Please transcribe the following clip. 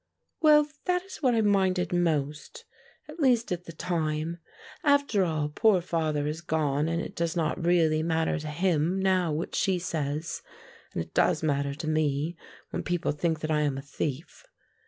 "Well, that is what I minded most, at least at the time. After all, poor father has gone and it does not really matter to him now what she says, and it does matter to me when people think that I am a thief.